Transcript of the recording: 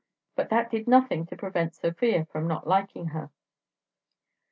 But that did nothing to prevent Sofia from not liking her.